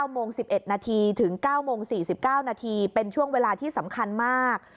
โมง๑๑นาทีถึง๙โมง๔๙นาทีเป็นช่วงเวลาที่สำคัญมาก